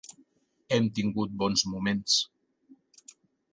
Hem tingut bons moments.